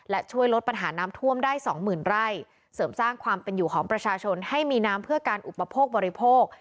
และช่วยลดปัญหาน้ำท่วมได้สองหมื่นไร่เสริมสร้างความเป็นอยู่ของประชาชนให้มีน้ำเพื่อการอุปโภคบริโภค